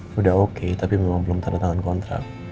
sudah oke tapi memang belum tanda tangan kontrak